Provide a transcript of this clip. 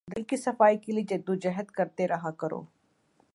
دل کی صفائی کے لیے جد و جہد کرتے رہا کرو۔